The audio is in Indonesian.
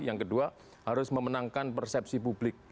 yang kedua harus memenangkan persepsi publik